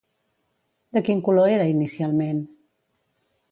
De quin color era inicialment?